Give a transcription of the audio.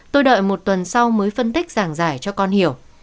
tôi đợi một tuần sau mới phân tích giảng giải cho con hiểu